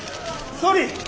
総理！